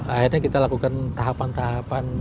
akhirnya kita lakukan tahapan tahapan